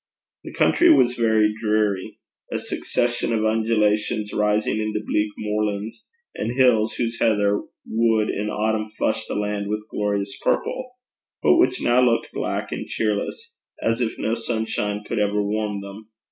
The country was very dreary a succession of undulations rising into bleak moorlands, and hills whose heather would in autumn flush the land with glorious purple, but which now looked black and cheerless, as if no sunshine could ever warm them.